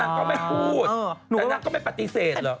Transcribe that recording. ก็ไม่พูดแต่นางก็ไม่ปฏิเสธเหรอ